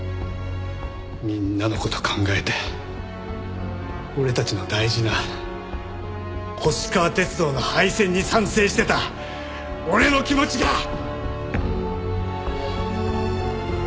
みんなの事考えて俺たちの大事な星川鐵道の廃線に賛成してた俺の気持ちが！